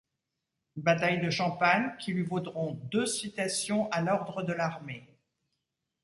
Bataille de Champagne, qui lui vaudront deux citations à l'ordre de l'Armée.